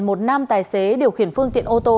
một nam tài xế điều khiển phương tiện ô tô